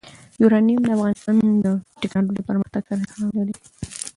یورانیم د افغانستان د تکنالوژۍ پرمختګ سره تړاو لري.